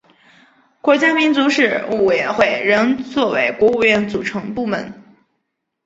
国家民族事务委员会仍作为国务院组成部门。